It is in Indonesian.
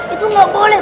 itu gak boleh